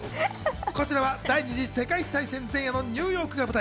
こちらは第２次世界大戦前夜のニューヨークが舞台。